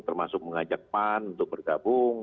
termasuk mengajak pan untuk bergabung